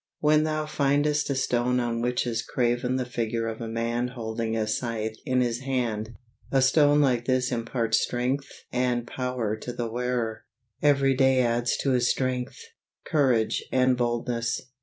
When thou findest a stone on which is graven the figure of a man holding a scythe in his hand, a stone like this imparts strength and power to the wearer. Every day adds to his strength, courage and boldness.